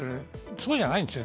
そうじゃないんです。